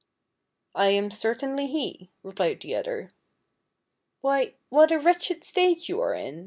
" I am certainly he," replied the other. " Why, what a wretched state you are in